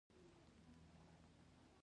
غرونه د افغانانو د تفریح یوه وسیله ده.